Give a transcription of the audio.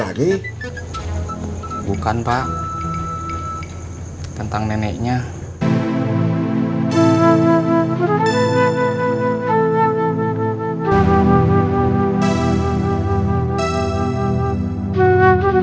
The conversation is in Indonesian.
itu sang simbolir personifns yang ingat sebaiknya menggigito abaikal p